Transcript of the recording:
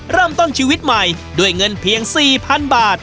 เริ่มต้นชีวิตใหม่ด้วยเงินเพียง๔๐๐๐บาท